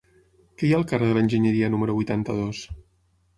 Què hi ha al carrer de l'Enginyeria número vuitanta-dos?